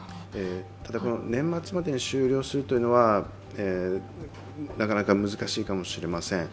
ただ、年末までに終了するというのはなかなか難しいかもしれません。